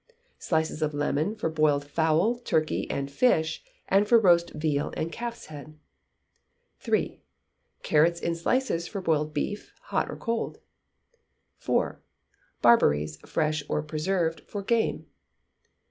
Slices of lemon for boiled fowl, turkey, and fish, and for roast veal and calf's head. iii. Carrot in slices for boiled beef, hot or cold. iv. Barberries, fresh or preserved, for game.